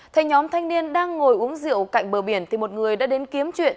thấy nhóm thanh niên đang ngồi uống rượu cạnh bờ biển thì một người đã đến kiếm chuyện